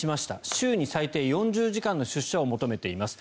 週に最低４０時間の出社を求めています。